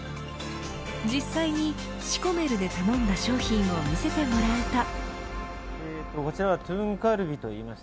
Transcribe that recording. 実際にシコメルで頼んだ商品を見せてもらうと。